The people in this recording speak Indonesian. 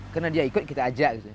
karena dia ikut kita ajak